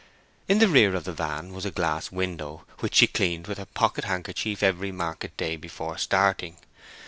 In the rear of the van was a glass window, which she cleaned with her pocket handkerchief every market day before starting.